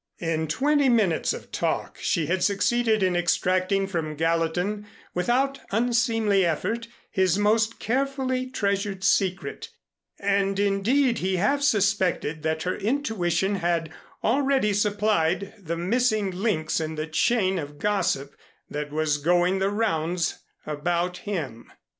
In twenty minutes of talk she had succeeded in extracting from Gallatin, without unseemly effort, his most carefully treasured secret, and indeed he half suspected that her intuition had already supplied the missing links in the chain of gossip that was going the rounds about him.